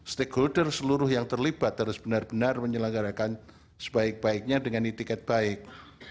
stakeholder seluruh yang terlibat harus benar benar menyelenggarakan sebaik baiknya dengan itikat baik